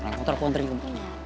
ntar gue ntarin kemari